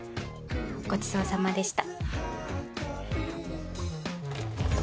ごちそうさまでした。